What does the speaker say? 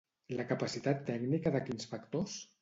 La capacitat tècnica de quins factors?